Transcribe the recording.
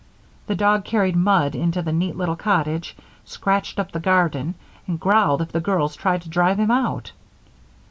The dog carried mud into the neat little cottage, scratched up the garden, and growled if the girls tried to drive him out.